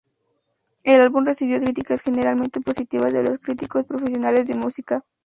El álbum recibió críticas generalmente positivas de los críticos profesionales de música.